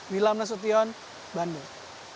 wilam nasution bandung